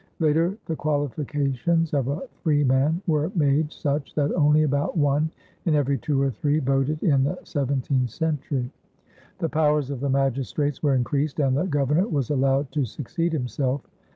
Later the qualifications of a freeman were made such that only about one in every two or three voted in the seventeenth century; the powers of the magistrates were increased; and the governor was allowed to succeed himself.